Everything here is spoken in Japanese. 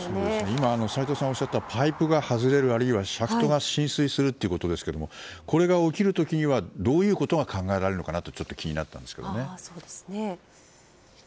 今、斎藤さんがおっしゃったパイプが外れるあるいはシャフトが浸水するということですがこれが起きる時にはどういうことが考えられるのかがちょっと気になったんですが。